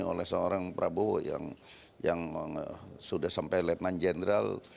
oleh seorang prabowo yang sudah sampai letnan jenderal